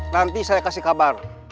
nanti saya kasih kabar